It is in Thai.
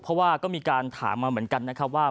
เพราะว่าก็มีการถามมาเหมือนกันนะครับว่า